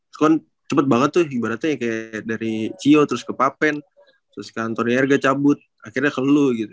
con cepet banget tuh gimana tuh kayak dari cio terus ke papen terus kantornya erga cabut akhirnya ke lo gitu